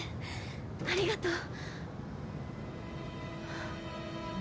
ありがとう。